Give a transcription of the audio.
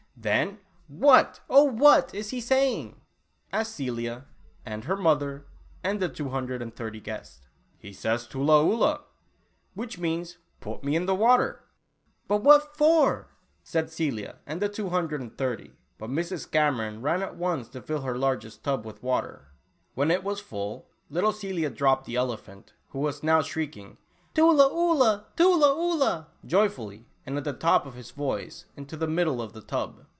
"Then what, oh what, is he saying?" asked Celia, and her mother, and the two hundred and thirty guests. " He says 'tula oolah,' which means '//// me in the water' " But what for ?" said Celia and the two hundred and thirty, but Mrs. Cameron ran at once to fill her largest tub with water. When it 52 Tula Oolah. was full, little Celia dropped the elephant, who was now shrieking "Tula Oolah, Tula Oolah," joy fully, and at the top of his voice, into the middle of the tub